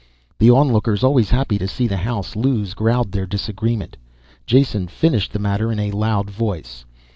The onlookers, always happy to see the house lose, growled their disagreement. Jason finished the matter in a loud voice.